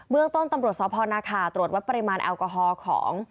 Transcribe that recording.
เมืองต้นตำรวจสพนาคาตรวจวัดปริมาณแอลกอฮอล์ของ